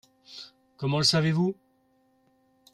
Comment le savez-vous ?